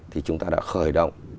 thì chúng ta đã khởi động